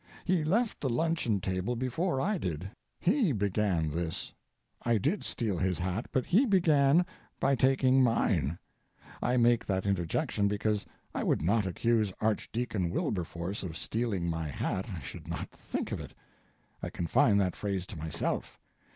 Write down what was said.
He left the luncheon table before I did. He began this. I did steal his hat, but he began by taking mine. I make that interjection because I would not accuse Archdeacon Wilberforce of stealing my hat—I should not think of it. I confine that phrase to myself.